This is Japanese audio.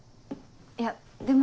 いやでも。